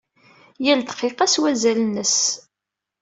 Yal ddqiqa s wazal-nnes.